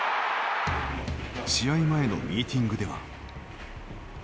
試合前のミーティングでは。